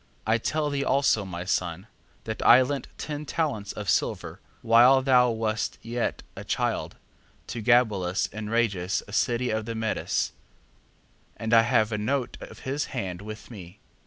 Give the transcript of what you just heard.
4:21. I tell thee also, my son, that I lent ten talents of silver, while thou wast yet a child, to Gabelus, in Rages a city of the Medes, and I have a note of his hand with me: 4:22.